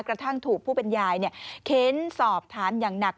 กระทั่งถูกผู้เป็นยายเค้นสอบถามอย่างหนัก